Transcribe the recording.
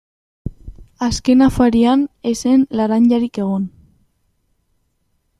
Azken afarian ez zen laranjarik egon.